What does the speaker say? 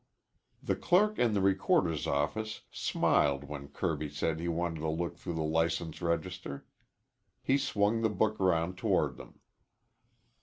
The clerk in the recorder's office smiled when Kirby said he wanted to look through the license register. He swung the book round toward them.